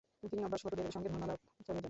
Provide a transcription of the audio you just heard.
তিনি অভ্যাগতদের সঙ্গে ধর্মালাপ চালিয়ে যান।